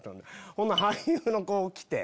ほな俳優の子来て。